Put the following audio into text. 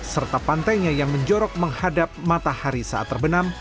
serta pantainya yang menjorok menghadap matahari saat terbenam